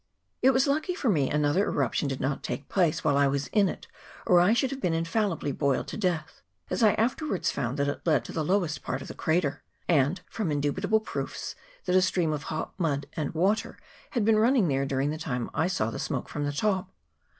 It was lucky for me another eruption did not take place while I was in it, or I should have been infallibly boiled to death, as I afterwards found that it led to the lowest part of the crater, and, from indubitable proofs, that a stream of hot mud and water had been running there during the time I saw the smoke from the top.